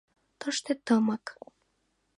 Тыште тымык.